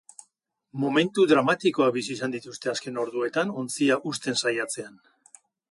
Momentu dramatikoak bizi izan dituzte azken orduetan, ontzia husten saiatzean.